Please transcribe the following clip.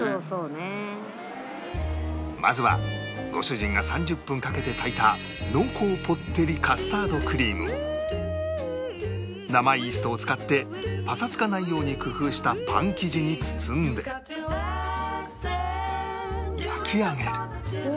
まずはご主人が３０分かけて炊いた濃厚ぽってりカスタードクリームを生イーストを使ってパサつかないように工夫したパン生地に包んで焼き上げる